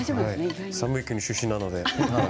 寒い国出身なので。